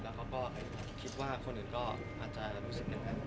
แล้วเขาก็คิดว่าคนอื่นก็อาจจะรู้สึกอย่างนั้น